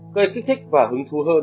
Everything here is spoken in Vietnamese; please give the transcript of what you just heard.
gây kích thích và hứng thú hơn